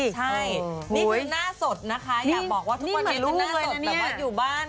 ใช่นี่คือหน้าสดนะคะอยากบอกว่าทุกวันนี้ลูกหน้าสดแบบว่าอยู่บ้าน